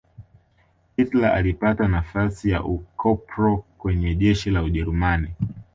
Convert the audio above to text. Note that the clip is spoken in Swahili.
hitler alipata nafasi ya ukopro kwenye jeshi la ujerumani